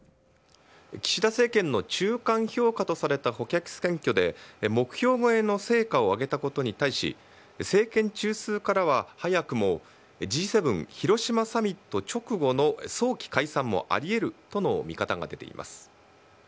岸田政権の中間評価とされた補欠選挙で、目標超えの成果を上げたことに対し、政権中枢からは早くも、Ｇ７広島サミット直後の早期解散もありえるとの見方が出ています。